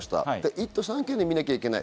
１都３県で見なきゃいけない。